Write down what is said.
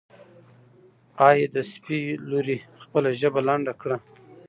ای د سپي لورې خپله ژبه لنډه کړه.